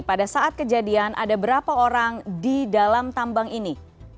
pada saat kejadian ada berapa orang di dalam tambang ini